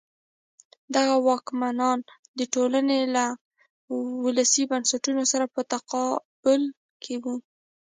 دغه واکمنان د ټولنې له ولسي بنسټونو سره په تقابل کې وو.